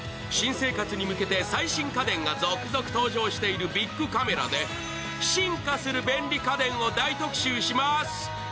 新生活に向けて最新家電が続々登場しているビックカメラで進化する便利家電を大特集します。